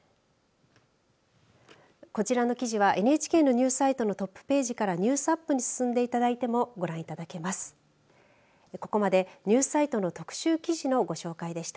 こちらの記事はＮＨＫのニュースサイトのトップページからニュースアップに進んでいただいてもご覧いただけます。